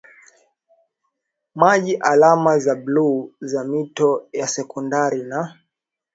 maji alama za bluu za mito ya sekondari na